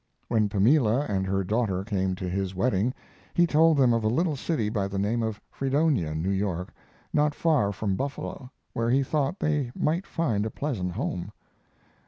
When Pamela and her daughter came to his wedding he told them of a little city by the name of Fredonia (New York), not far from Buffalo, where he thought they might find a pleasant home.